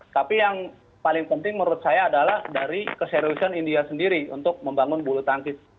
tapi yang paling penting menurut saya adalah dari keseriusan india sendiri untuk membangun bulu tangkis